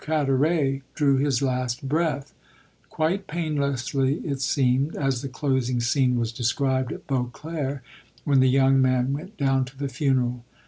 Carteret drew his last breath; quite painlessly it seemed, as the closing scene was described at Beauclere when the young man went down to the funeral.